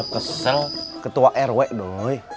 ketua rw doi